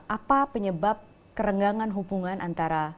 apa penyebab kerenggangan hubungan antara